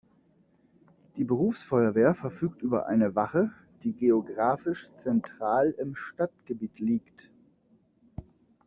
Die Berufsfeuerwehr verfügt über eine Wache, die geographisch zentral im Stadtgebiet liegt.